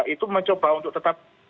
itu mencoba untuk tetap